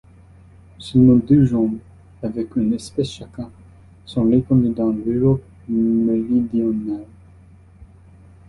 Seulement deux genres, avec une espèce chacun, sont répandus dans l'Europe méridionale.